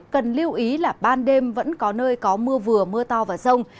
cần lưu ý là ban đêm vẫn có nơi có mưa vừa mưa to và rông